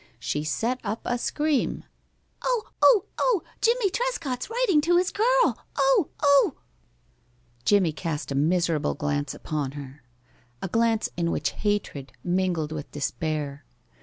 She set up a scream. "Oh! Oh! Oh! Jimmie Trescott's writing to his girl! Oh! Oh!" Jimmie cast a miserable glance upon her a glance in which hatred mingled with despair.